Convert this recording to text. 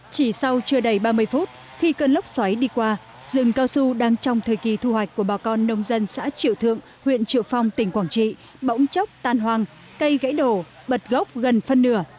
chỉ sau chưa đầy ba mươi phút khi cơn lốc xoáy đi qua rừng cao su đang trong thời kỳ thu hoạch của bà con nông dân xã triệu thượng huyện triệu phong tỉnh quảng trị bỗng chốc tan hoang cây gãy đổ bật gốc gần phân nửa